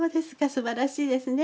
すばらしいですね